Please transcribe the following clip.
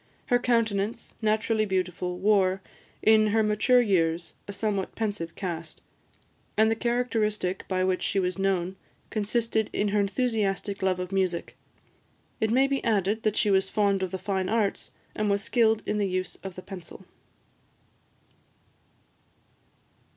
Her countenance, naturally beautiful, wore, in her mature years, a somewhat pensive cast; and the characteristic by which she was known consisted in her enthusiastic love of music. It may be added, that she was fond of the fine arts, and was skilled in the use of the pencil.